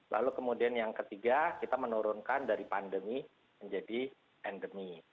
lalu kemudian yang ketiga kita menurunkan dari pandemi menjadi endemi